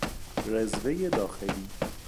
رزوهی داخلی